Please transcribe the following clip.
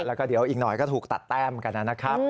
แล้วก็เดี๋ยวอีกหน่อยก็ถูกตัดแต้มกันนะครับ